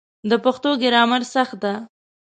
د پښتو ګرامر سخت ده